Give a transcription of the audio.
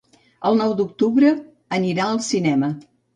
El nou d'octubre anirà al cinema.